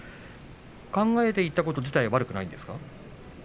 考えていたこと自体は悪くないですか。